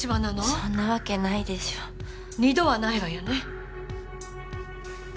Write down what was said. そんなわけないでしょ二度はないわよね？